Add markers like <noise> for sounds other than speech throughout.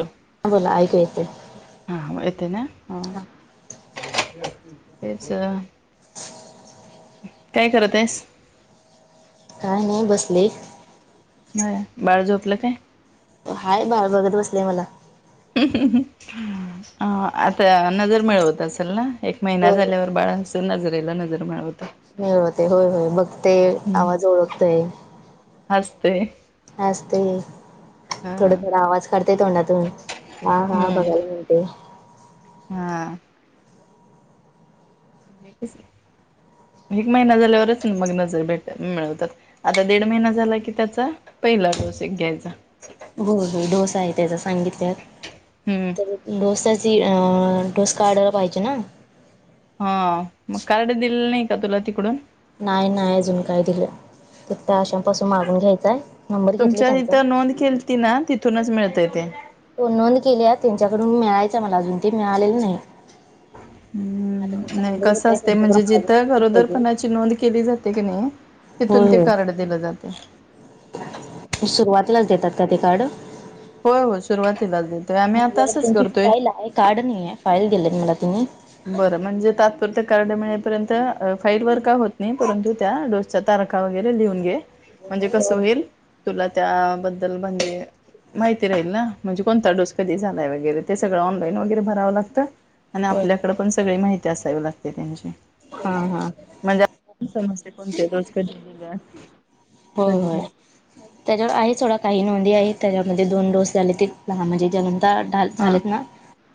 हो बोला ऐकू येतय. हां हां येतय ना ह तेच काय करत आहेस. काय नाही बसलोय. होय नाही बाळ झोपलं काय? हय बाळ बघत बसलय मला अ आता नजर मिळवत असेल ना एक महिना हो झाल्यावर बाळ अस नजरेला नजर मिळवतं. मिळवते होय होय बघतय आवाज ओळखतय. हसतय. हसतय हा थोड थोड आवाज काढतेय तोंडातून हा हा हम्म बघायला. ते हा एकच एक महिना झाल्यावरच मग नजर भेट मिळवतात. आता दीड महिना झाला की त्याचा पहिला डोस एक घ्यायचा. हो हो, डोस आहे त्यांचा सांगितल्यात. हम्म. डोसाची, डोस‌ काडायला पाहिजे ना? हा. मग कार्ड दिले नाही का, तुला तिकडून. नाय-नाय अजून काय दिलं. त त्या आशांपासून मागून घ्यायचांय. तुमच्या हितं नोंद केलती ना, तिथूनच मिळतय ते. हो नोंद केल्या. त्यांच्याकडून मिळायचय मला अजून, ते मिळालेलं नाही. आता हम्म, त्यांचा नाय नंबर कस घेतलाय असतंय, त्यांच्याकडून म्हणजे मागून जिथं घेईन लगेच गरोदरपणाची नोंद केली जात ते कणी होय तिथून ते, कार्ड होय दिलं जातंय. सुरुवातीलाच देतात का, ते कार्ड? होय होय, सुरुवातीलाच देतोय आम्ही आता, माझ्याकडे असंच त्यांची करतोय. फाईल आहे कार्ड नाहीये फाईल दिलेत मला त्यांनी बरं. म्हणजे तात्पुरतं कार्ड मिळे पर्यंत, फाईल वर का होत नाही परंतु त्या डोस त्या, तारखा वगैरे लिहून घे, म्हणजे कसं होय होईल तुला त्याबद्दल म्हणजे माहिती राहील ना, म्हणजे कोणता डोस कधी झालाय वगैरे, ते सगळं ऑनलाईन वगैरे भरावं लागतं. आणि होय का? आपल्याकडे पण सगळी माहिती असावी लागते त्यांची. हा हा म्हणजे <inaudible> समजतंय, कोणते डोस कधी दिलं होय होय. त्यांच्यावर आहेत सोडा, काही नोंदी आहेत त्यांच्यामध्ये, दोन डोस झाले ते लहान म्हणजे जन्मता ताल हा झालेत ना.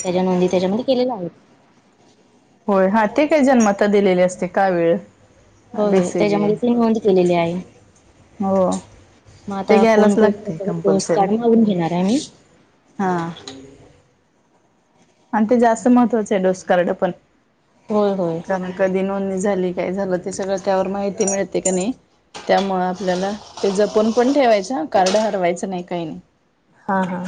त्याच्या नोंदी, त्यांच्यामध्ये केलेल्या आहेत. होय हा, ते काय. जन्मता दिलेली असते काविळ. होय होय त्यांच्यामध्ये ते, नोंद केलेली आहे. हो म ते आता, फोन घ्यायलाच करून. लागते त्यांच्याकडुन कंपल्सरी डोसकार्ड, मागुन घेणार आहे मी हा आणि ते, जास्त महत्त्वाचं आहे डोस कार्ड पण. होय होय. कारण कधी नोंदणी झाली, काय झालं ते सगळं, त्यावर माहिती मिळते क नाय त्यामुळं आपल्याला, ते जपून पण ठेवायचं आ कार्ड हरवायचं नाही काही नाही हा हा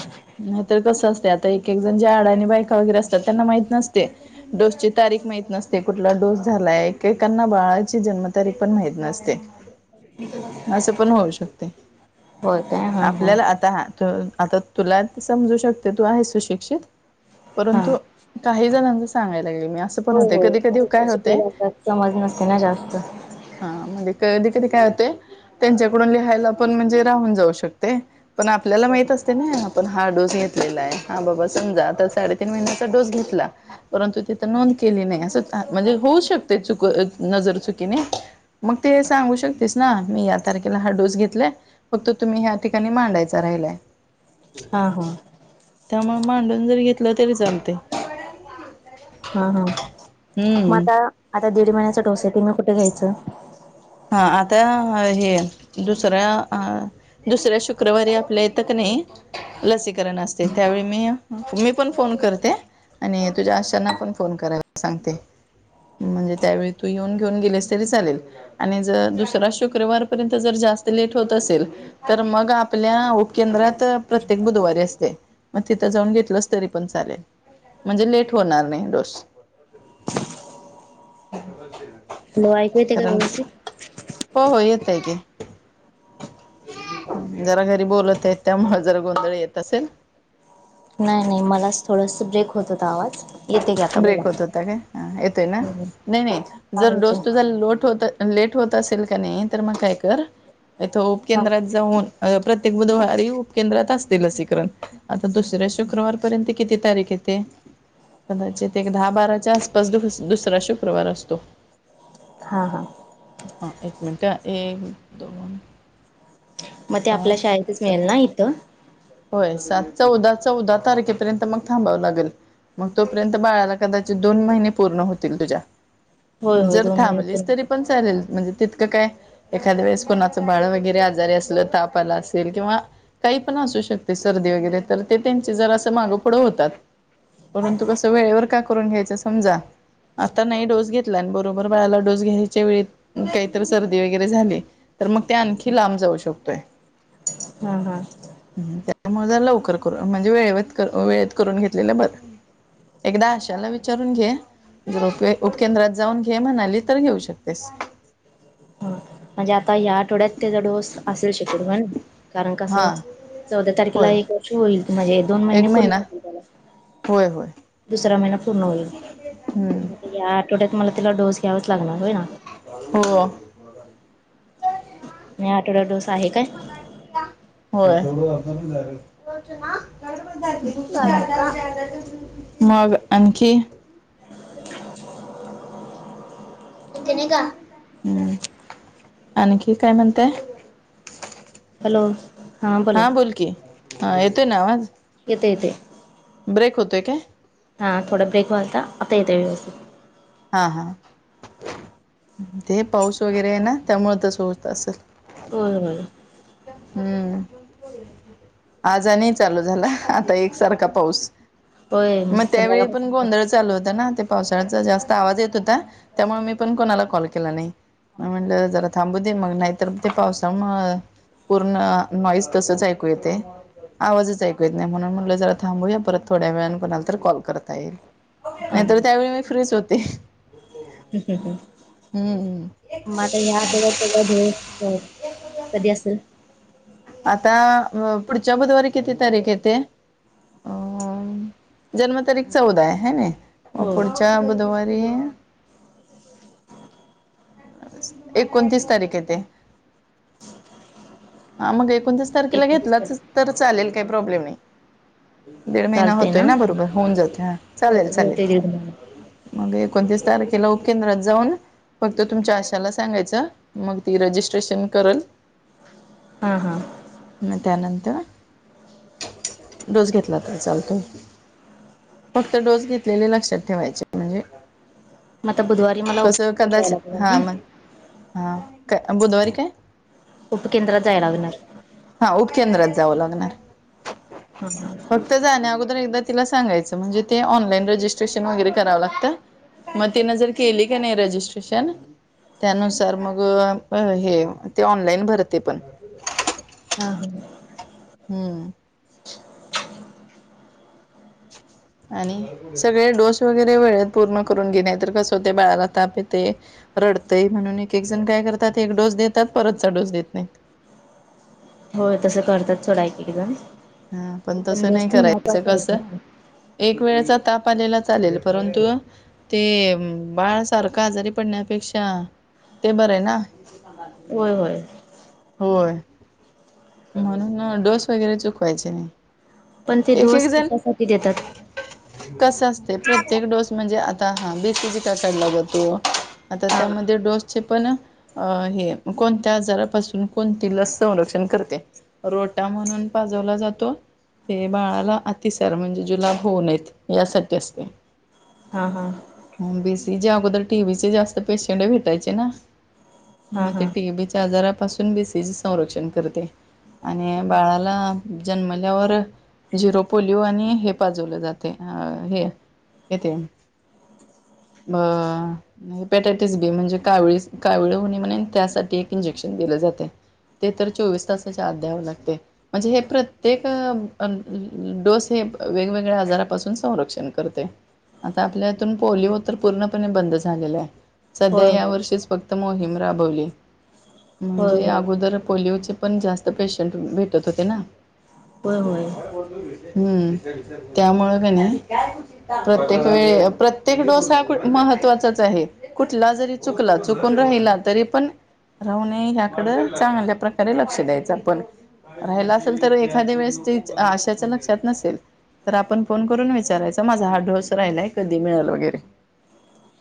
नाहीतर कसं असतयं आता एक-एक जण, ज्या अडाणी बायका वगैरे असतात, त्यांना माहित नसतय डोसची तारीख माहित नसते, कुठला डोस झालाय एकेकाना बाळाची जन्मतारीख पण, माहित नसते. असं पण, होऊ शकतय. होय काय हा हा आपल्याला आता हा, तु आता तुला समजू शकते, तू आहे सुशिक्षित. हा. परंतु काही जणांचं, सांगायला लागले मी आसं पण होय होतंय, होय कधी कधी म्हणजे न काय होतंय शिकलेले असतात समज नसते ना, जास्त. हा, म्हणजे कधी-कधी काय होतंय त्यांच्याकडून लिहायला पण, म्हणजे राहून जाऊ शकतय. पण, आपल्याला माहित असतय ना आपण हा डोस, घेतलेला आहे. हा बाबा समजा आता साडे तीन महिन्याचा, डोस घेतला. परंतु तिथ, नोंद केली नाही असंच, म्हणजे होऊ शकतय, चुक नजर चुकीने. मग ते सांगू शकतेस ना? मी या तारखेला हा डोस घेतलाय. फक्त तुम्ही, ह्या ठिकाणी, मांडायचा राहिलाय. हा हा त्यामुळं मांडून जरी घेतलं, तरी चालतंय. हा हा म आता आता दीड महिन्याचा डोस हाय ते मी कुठं घ्यायचं. हां आता हे दुसऱ्या अ दुसऱ्या शुक्रवारी आपल्या इथं की नाही लसीकरण असते, त्यावेळी मी-मी पण फोन करते. आणि तुझ्या आशांना पण फोन करायला सांगते. म्हणजे त्यावेळी तू येऊन घेऊन गेलीस तरी चालेल. आणि जर दुसरा शुक्रवारपर्यंत जर जास्त लेट होत असेल तर मग आपल्या उपकेंद्रात प्रत्येक बुधवारी असते. मग तिथं जाऊन घेतलेस तरी पण चालेल म्हणजे लेट होणार नाही डोस. <unintelligible> तुला ऐकू येतंय का ग कारण व्यवस्थित? हो हो येतंय की. जरा घरी बोलत आहेत त्यामुळं जरा गोंधळ येत असेल. नाही नाही मलाच थोडंस ब्रेक होत होता आवाज. येते की आता बोला. ब्रेक होत होता काय? हां येतोय ना? नाही नाही हा जर येतोय. डोस तुझा लोट होत लेट होत असेल की नाही तर मग काय कर इथं उपकेंद्रात जाऊन अ प्रत्येक बुधवारी उपकेंद्रात असते लसीकरण आता दुसऱ्या शुक्रवारपर्यंत किती तारीख येते? कदाचित एक दहा बाराच्या आसपास दुसरा शुक्रवार असतो. हां हां. हां एक मिनिटं, एक दोन मग ते आपल्या पाच शाळेतच सहा मिळेल ना इथं? होय सात चौदा चौदा तारखेपर्यंत मग थांबावं लागलं. मग तोपर्यंत बाळाला कदाचित दोन महिने पूर्ण होतील तुझ्या. होय होय जर दोन महिने पूर्ण थांबलीस तरी होतील. पण चालेल म्हणजे तितकं काय एखाद्या वेळेस कोणाचं बाळ वगैरे आजारी असलं ताप आला असेल किंवा काही पण असू शक शकते सर्दी वगैरे तर ते त्यांचे जरासं मागं पुुढं होतात. परंतु कसं वेळेवर का करून घ्यायचं समजा आता नाही डोस घेतला आणि बरोबर बाळाला डोस घ्यायच्या वेळी काहीतरी सर्दी वगैरे झाली तर मग ते आणखी लांब जाऊ शकतोय. हां हां. त्यामुळं जरा लवकर करून म्हणजे वेळेत वेळेत करून घेतलेलं बरं. एकदा आशाला विचारून घे. जर उप उपकेंद्रात जाऊन घे म्हणाली तर घेऊ शकतेस. हा म्हणजे आता ह्या आठवड्यात त्याचा डोस असेल शक्यतो करून, कारण हा कसं चौदा तारखेला होय एक वर्ष होईल म्हणजे दोन महिने एक पूर्ण महिना होतील त्याला. होय होय दुसरा महिना पूर्ण होईल. हम्म या आठवड्यात मला तिला डोस घ्यावाच लागणार होय ना? हो. या आठवड्यात डोस आहे काय? होय. मग आणखी? ते नाही का, हम्म आणखी काय म्हणताय? हॅलो! हां बोल की हां येतोय ना आवाज? येतोय येतोय. ब्रेक होतोय काय? हां थोडा ब्रेक होता आता येतंय व्यवस्थित. हा हा ते पाऊस वगैरे आहे ना त्यामुळे तस होत असेल. बर बर. हम्म. आज आणि चालू झाला आता एकसारखा पाऊस. होय मग त्यावेळी पण संध्याकाळपासून हेच गोंधळ चालू होता ना ते पावसाळ्याचा जास्त. आवाज येत होता त्यामुळ मी पण कोणाला कॉल केला नाही. मग म्हणलं जरा थांबू दे मग नाहीतर ते पावसा मुळ. पूर्ण नॉईज तसच ऐकू येतंय. आवाजच ऐक येत नाही म्हणून म्हटलं जरा थांबूया परत थोड्या वेळने कोणाल तर कॉल करता येईल. हां नाही तर त्यावेळी मी फ्री च होते. हम् हम हं. हम्म मग आता ह्या आठवड्यात तला भ कधी असेल. आता पुढच्या बुधवारी किती तारीख येते अ. जन्मतारीख चौदा आहे ह ना म हो पुढच्या बुधवारी. दिस. एकोणतीस तारीखे येत. हा मग एकोणतीस तारखेला एकोणतीस घेतलाच तारीख तर चालेल काही प्रॉब्लेम नाही. दीड महिना होतोय ना बरोबर होऊन जातो हा होय चालेल चालेल. होते दीड महिना मग एकोणतीस तारखेला उपकेंद्रात जाऊन. फक्त तुमच्या आशाला सांगायचं मग ती रजिस्ट्रेशन करल. हा हा. म त्यानंतर डोस घेतला तर चालतो. फक्त डोस घेतलेले लक्षात ठेवायचे म्हणजे. मग आता बुधवारी मला कस उपकेंद्रात जायला कदाचित लागणार हा ना मग हा का बुधवारी काय. उपकेंद्रात जायला लागणार. हा उपकेंद्रात जावं लागणार. हम ह. फक्त जाण्या अगोदर एकदा तिला सांगायचं म्हणजे ते ऑनलाईन रजिस्ट्रेशन वगैरे करावं लागतं. मग तिनं जर केली का नाही रजिस्ट्रेशन. त्यानुसार मग हे ते ऑनलाईन भरते पण. ह हा. हम्म. आणि. सगळे डोस वगैरे वेळेत पूर्ण करून घे नाही तर कसं होते बाळाला ताप येते. रडतंय म्हणून एक एक जण काय करतात एक डोस देतात परतचा डोस देत नाही. हो तसं करतात थोडा एक एकदम. हा पण तसं नाही करायचं कस. ना एक वेळचा ताप आलेला चालेल परंतु. ते बाळसारखं आजारी पडण्यापेक्षा ते बरं आहे ना. होय होय. होय. म्हणून डोस वगैरे चुकवायचे नाही पण ते एक एक दिवस जण. कशासाठी देतात कस असते प्रत्येक डोस म्हणजे आता हा बेसीची क कटलागतो. आता हा त्यामध्ये डोस. चे पण अ हे कोणत्या आजारापासून कोणती लस संरक्षण करते. रोटा म्हणून पाजवला जातो. ते बाळाला अतिसार म्हणजे जुलाब होऊ नयेत यासाठी असते. ''हां''हां'' बीसीच्या अगोदर टीविचे जास्त पेशंट भेटयचे ना हा हा म्हणजे टीवच. त्या आजारापासून बीसीजी संरक्षण करते. आणि बाळाला जन्मल्यावर. झिरो पोलिओ आणि हे पाजवलं जाते अ हे यथे. बा, हेपॅटायटिस बी म्हणजे कावळीस कावळ हुणे म्हणून त्यासाठी एक इंजेक्शन दिलं जाते. ते तर चोवीस तासाच्या आत द्यावं लागते. म्हणजे हे प्रत्येक अ डोस हे वेगवेगळ्या आजारापासून संरक्षण करते. आता आपल्या इतून पोलिओ तर पूर्णपणे बंद झालेला आहे. सध्या होय या होय वर्षीच फक्त मोहीम राबवली म्हणजे होय अगोदर पोलिओचे. पण जास्त पेशंट भेटत होते होय होय होय हम्म, त्यामुळं का नाही. प्रत्येक वेळे प्रत्येक डोस हा कु महत्त्वाचाच आहे. कुठला जरी चुकला चुकून राहिला तरी पण राहू न ह्याकड चांगल्या प्रका''--'' तरी लक्ष द्यायचं आपण राहाला असेल तर एखाद्या वेळेस ते आशाच्या लक्षात नसेल. तर आपण फोन करून विचारायच माझा हा डोस राहिलाय कधी मिळेल वगैरे.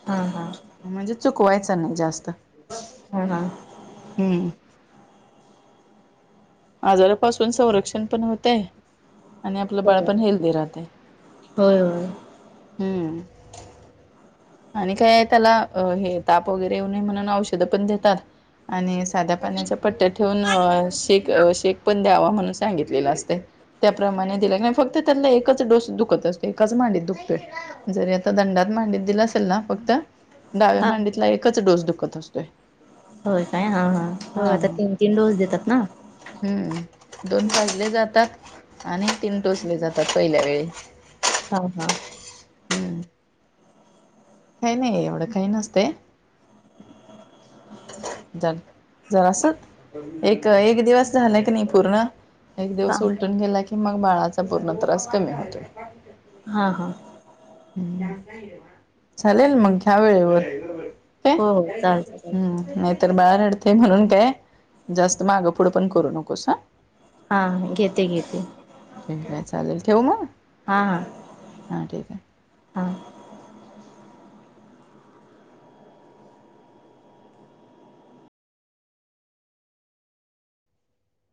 हा हा, म्हणजे चुकवायचं नाही जास्त. ह हा, हम्म, आजारापासून संरक्षण पण होतय. आणि आपलं बाळ होय पण हेल्दी राहते होय होय हम्म, आणि काय त्याला हे ताप वगैरे येऊ नये म्हणून औषधं पण देतात. आणि साध्या पाण्याच्या पट्ट्या ठेवून शेक''--'' अ शेक पण द्यावा म्हणून सांगितलेला असते. त्याप्रमाणे दिल्या नाही फक्त त्यातला एकच डोस दुखत असतो एकाच मांडीत दुखतोय. जरी आता दंडात मांडीत दिला असेल ना फक्त. डाव्या हा मांडीतला एकच डोस दुखत असतोय. होय काय हा हा, होय आता तीन तीन डोस देतात ना. हम्म, दोन पाजले जातात आणि तीन टोचले जातात पहिल्या वेळी. हा हा, हम्म काही नाही एवढं काही नसते. चालतंय जरास एक एक दिवस झालं क नाही पूर्ण. एक हा दिवस उलटून गेला की, मग बाळाचा पूर्ण त्रास कमी होतोय. हा हा, चालेल मग ह्या वेळेवर प्या हो हो चालते चालते हम, नाहीतर बाळा रडते म्हणून काय जास्त मागं पुुडं पण करू नकोसा. हा, घेते घेते. ठीक आहे चालेल ठेवू मग ''हां'' ठीक आहे. ''हां''